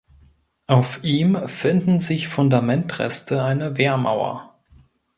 Auf ihm finden sich Fundamentreste einer Wehrmauer.